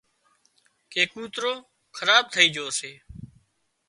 ڪي ڪوتروخراب ٿئي جھو سي